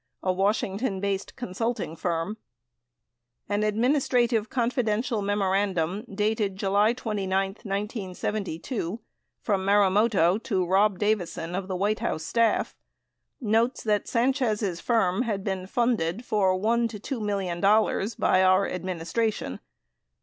a Washington based consulting firm. An "Administrative — Confidential" memorandum dated July 19, 1972, from Marumoto to Rob Davison of the White House staff notes that Sanchez' firm had been funded for $1 to $2 million "by our Ad ministration."